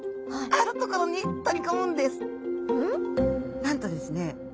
なんとですね